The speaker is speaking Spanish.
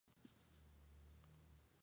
Vosotros no habréis visitado